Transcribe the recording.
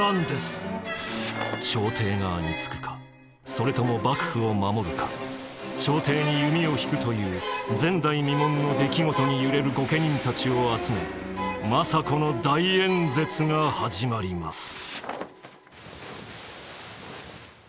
朝廷側につくかそれとも幕府を守るか朝廷に弓を引くという前代未聞の出来事に揺れる御家人たちを集め政子の大演説が始まります。